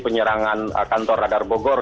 penyerangan kantor radar bogor